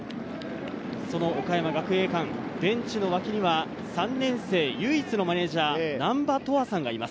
岡山学芸館、ベンチの脇には３年生唯一のマネジャー・難波都羽さんがいます。